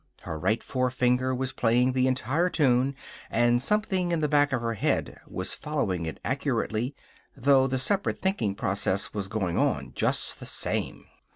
Her right forefinger was playing the entire tune, and something in the back of her head was following it accurately, though the separate thinking process was going on just the same.